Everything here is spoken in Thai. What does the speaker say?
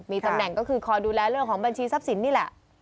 มีตำแหน่งก็คือคอยดูแลเรื่องของบัญชีทรัพย์สินนี่แหละ